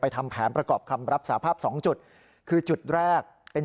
ทำแผนประกอบคำรับสาภาพสองจุดคือจุดแรกเป็น